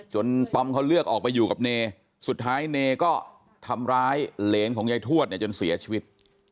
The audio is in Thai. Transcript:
ตอมเขาเลือกออกไปอยู่กับเนสุดท้ายเนก็ทำร้ายเหรนของยายทวดเนี่ยจนเสียชีวิต